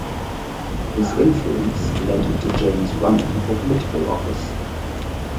His influence led to James running for political office.